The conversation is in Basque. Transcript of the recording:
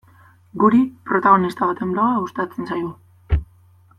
Guri, protagonista baten bloga gustatzen zaigu.